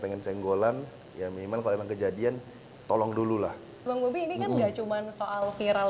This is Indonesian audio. pengen cenggolan yang memang kalau kejadian tolong dulu lah bang gobi ini kan nggak cuman soal viral